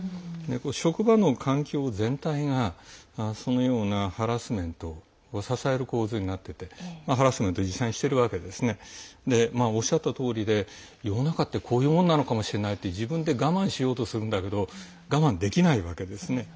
職場の環境全体がそのようなハラスメントを支える構図になってておっしゃったとおりで世の中ってこういうものなのかもしれないと自分で我慢しようとするけど我慢できないわけですね。